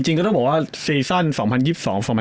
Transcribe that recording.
จริงก็ต้องบอกว่า